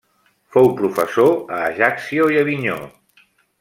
Fou professor a Ajaccio i Avinyó.